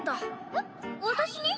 えっ私に？